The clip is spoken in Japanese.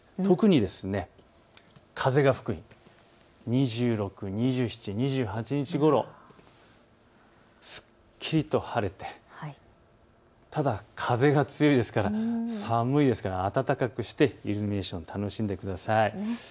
特に風が吹く２６、２７、２８日ごろ、すっきりと晴れて、ただ風は強いですから寒いですから暖かくしてイルミネーション、楽しんでください。